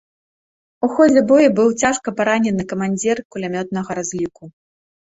У ходзе бою быў цяжка паранены камандзір кулямётнага разліку.